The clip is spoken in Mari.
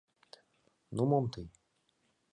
— Ну мом тый.